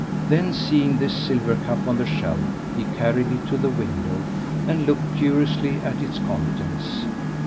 Then seeing this silver cup on the shelf, he carried it to the window, and looked curiously at its contents.